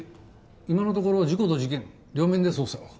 今のところ事故と事件両面で捜査を。